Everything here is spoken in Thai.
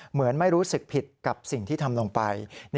เหมือนไม่รู้สึกผิดกับสิ่งที่ทำลงไป